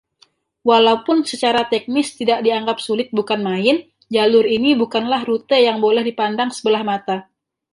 Walaupun secara teknis tidak dianggap sulit bukan main, jalur ini bukanlah rute yang boleh dipandang sebelah mata.